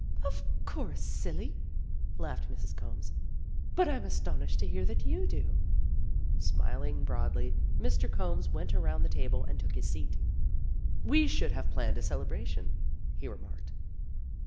"Of course, silly," laughed Mrs. Combs. "But I'm astonished to hear that you do." Smiling broadly, Mr. Combs went around the table and took his seat. "We should have planned a celebration," he remarked.